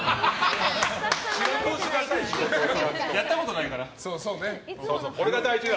やったことないから。